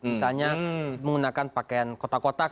misalnya menggunakan pakaian kotak kotak